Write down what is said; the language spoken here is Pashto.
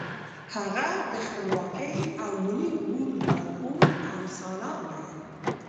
هغه د خپلواکۍ او ملي غرور لارښود او سالار دی.